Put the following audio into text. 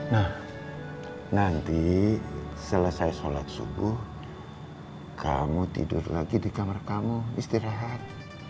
nah nanti selesai sholat subuh kamu tidur lagi di kamar kamu istirahat